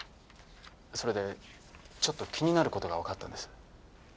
それでちょっと気になる事がわかったんです。